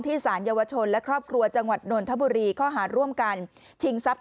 สารเยาวชนและครอบครัวจังหวัดนนทบุรีข้อหาร่วมกันชิงทรัพย